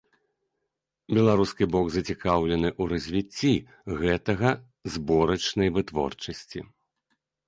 Беларускі бок зацікаўлены ў развіцці гэтага зборачнай вытворчасці.